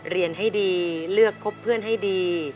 เรียนให้ดีเลือกคบเพื่อนให้ดี